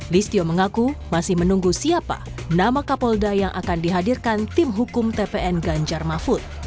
listio mengaku masih menunggu siapa nama kapolda yang akan dihadirkan tim hukum tpn ganjar mahfud